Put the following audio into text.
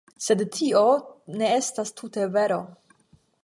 Sed tio ne estas tute vero.